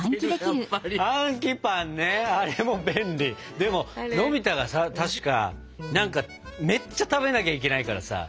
でものび太がさ確かめっちゃ食べなきゃいけないからさ。